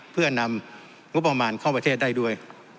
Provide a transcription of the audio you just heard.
เพื่อนำงบประมาณเข้าประเทศได้ด้วย